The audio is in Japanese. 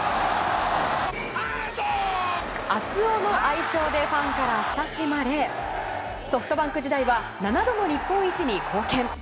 熱男の愛称でファンから親しまれソフトバンク時代は７度の日本一に貢献。